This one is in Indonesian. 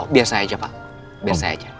biasa aja pak biasa aja